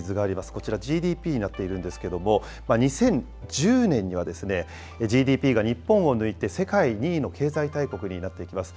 こちらＧＤＰになっているんですけれども、２０１０年には、ＧＤＰが日本を抜いて世界２位の経済大国になっていきます。